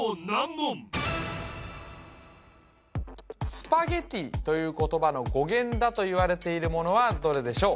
スパゲティという言葉の語源だといわれているものはどれでしょう